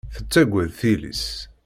Tettaggad tili-s.